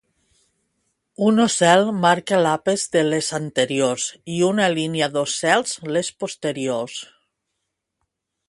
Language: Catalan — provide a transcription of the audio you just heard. Un ocel marca l'àpex de les anteriors i una línia d'ocels les posteriors.